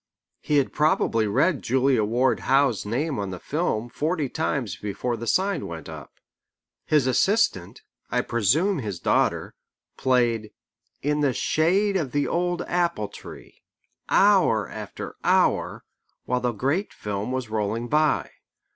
He had probably read Julia Ward Howe's name on the film forty times before the sign went up. His assistant, I presume his daughter, played "In the Shade of the Old Apple Tree" hour after hour, while the great film was rolling by.